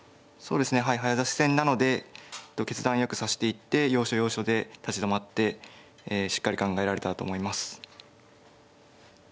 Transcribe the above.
そうですね早指し戦なので決断よく指していって要所要所で立ち止まってしっかり考えられたらと思います。